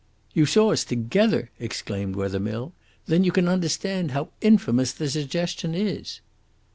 "You saw us together?" exclaimed Wethermill. "Then you can understand how infamous the suggestion is."